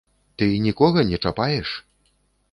Ты нікога не чапаеш?